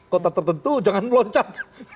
kota tertentu jangan loncat